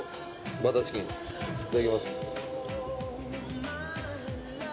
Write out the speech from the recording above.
バターチキンいただきます。